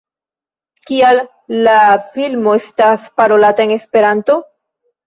Kial la filmo estas parolata en Esperanto?